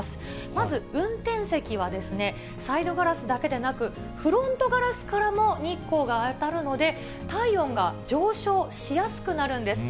まず運転席はサイドガラスだけでなく、フロントガラスからも日光が当たるので、体温が上昇しやすくなるんです。